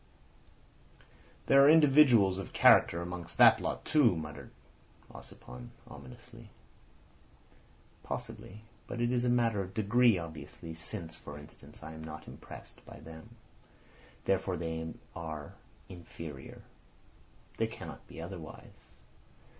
"There are individuals of character amongst that lot too," muttered Ossipon ominously. "Possibly. But it is a matter of degree obviously, since, for instance, I am not impressed by them. Therefore they are inferior. They cannot be otherwise.